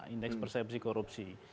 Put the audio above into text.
indeks persepsi korupsi